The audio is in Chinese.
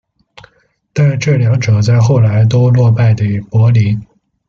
但这两者在后来都落败给柏林。